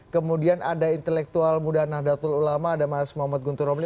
kemudian ada intelektual muda nahdlatul ulama ada mas muhammad guntur romli